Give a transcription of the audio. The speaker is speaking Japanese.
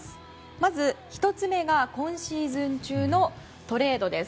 まず１つ目が今シーズン中のトレードです。